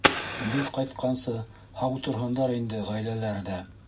— Беҙ ҡайтҡансы һау торһондар инде ғаиләләр ҙә.